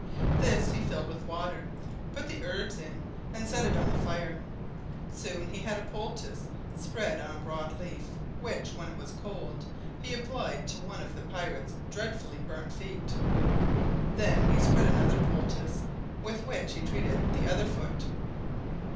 This he filled with water, put the herbs in, and set it on the fire. Soon he had a poultice spread on a broad leaf which, when it was cold, he applied to one of the pirate's dreadfully burnt feet. Then he spread another poultice, with which he treated the other foot.